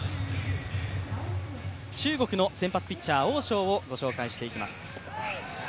中国の先発ピッチャー、オウ・ショウをご紹介していきます